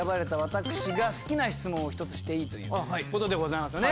私が好きな質問を１つしていいということでございますよね。